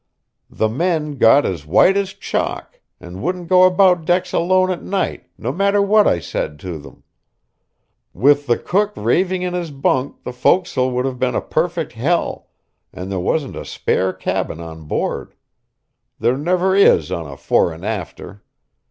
The men got as white as chalk, and wouldn't go about decks alone at night, no matter what I said to them. With the cook raving in his bunk the forecastle would have been a perfect hell, and there wasn't a spare cabin on board. There never is on a fore and after.